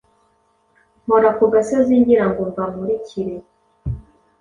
Mpora ku gasozi ngirango mbamurikire